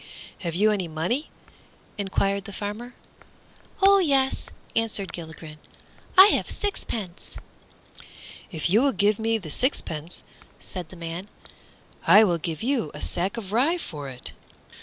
"Have you any money?" enquired the farmer. "Oh yes," answered Gilligren, "I have a sixpence." "If you will give me the sixpence," said the man, "I will give you a sack of rye for it."